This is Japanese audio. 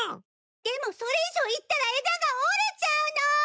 でもそれ以上いったら枝が折れちゃうの！